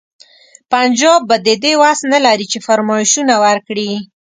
پنجاب به د دې وس نه لري چې فرمایشونه ورکړي.